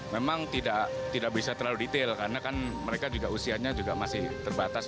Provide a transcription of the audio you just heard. memang tidak bisa terlalu detail karena kan mereka juga usianya juga masih terbatas